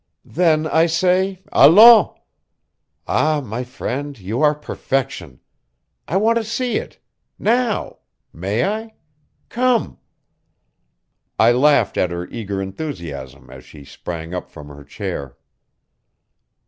"Then I say allons! Ah, my friend, you are perfection! I want to see it. Now! May I? Come!" I laughed at her eager enthusiasm as she sprang up from her chair.